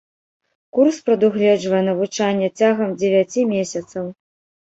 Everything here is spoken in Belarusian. Курс прадугледжвае навучанне цягам дзевяці месяцаў.